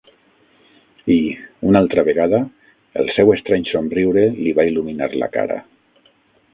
I, una altra vegada, el seu estrany somriure li va il·luminar la cara.